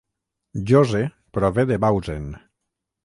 Jose prové de Bausen